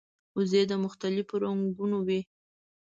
وزې د مختلفو رنګونو وي